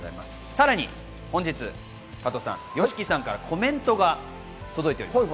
さらに本日は加藤さん、ＹＯＳＨＩＫＩさんからコメントが届いております。